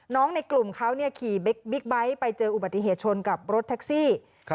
ในกลุ่มเขาเนี่ยขี่บิ๊กไบท์ไปเจออุบัติเหตุชนกับรถแท็กซี่ครับ